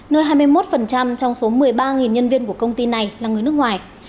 nơi hai mươi một trong số một mươi ba nhân viên của công ty này là người nước ngoài